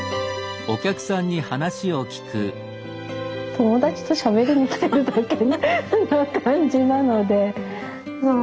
友達としゃべりに来てるだけな感じなのでそう。